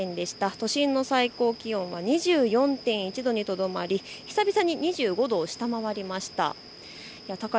都心の最高気温は２４．１度にとどまり久々に２５度を下回りました。